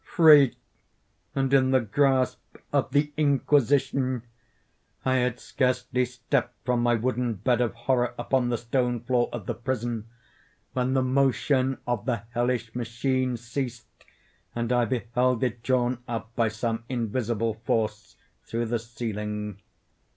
Free!—and in the grasp of the Inquisition! I had scarcely stepped from my wooden bed of horror upon the stone floor of the prison, when the motion of the hellish machine ceased and I beheld it drawn up, by some invisible force, through the ceiling.